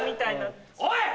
おい！